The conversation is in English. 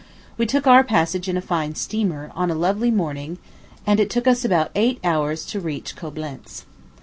We took our passage in a fine steamer, on a lovely morning, and it took us about eight hours to reach Coblentz.